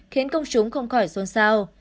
khiến công chúng không khỏi xôn xao